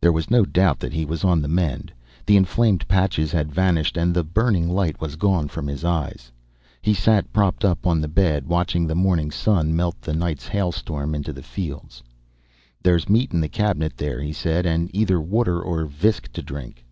There was no doubt that he was on the mend. The inflamed patches had vanished and the burning light was gone from his eyes. He sat, propped up on the bed, watching the morning sun melt the night's hailstorm into the fields. "There's meat in the cabinet there," he said, "and either water or visk to drink."